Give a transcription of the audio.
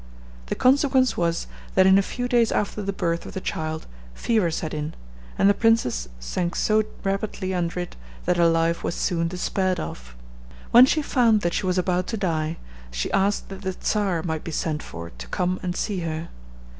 The consequence was, that, in a few days after the birth of the child, fever set in, and the princess sank so rapidly under it that her life was soon despaired of. When she found that she was about to die, she asked that the Czar might be sent for to come and see her.